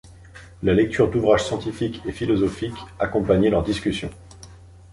La lecture d'ouvrages scientifiques et philosophiques accompagnaient leurs discussions.